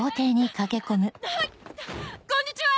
こんにちは！